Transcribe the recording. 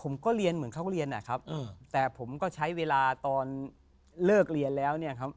ผมก็เรียนเหมือนเขาเรียนนะครับแต่ผมก็ใช้เวลาตอนเลิกเรียนแล้วเนี่ยครับ